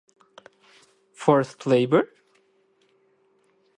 Forced labor?